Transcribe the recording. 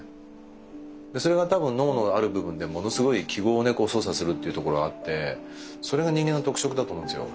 それが多分脳のある部分でものすごい記号をね操作するっていうところあってそれが人間の特色だと思うんですよ。